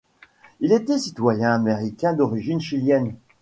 Il était citoyen américain d'origine chilienne.